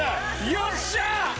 よっしゃあ！